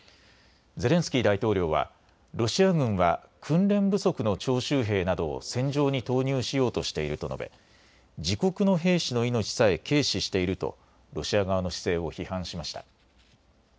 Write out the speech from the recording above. ゼレンスキー大統領はロシア軍は訓練不足の徴集兵などを戦場に投入しようとしていると述べ自国の兵士の命さえ軽視しているとロシア側の姿勢を批判しました。